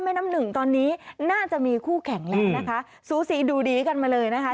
น้ำหนึ่งตอนนี้น่าจะมีคู่แข่งแล้วนะคะสูสีดูดีกันมาเลยนะคะ